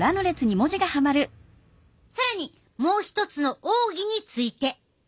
更にもう一つの奥義について。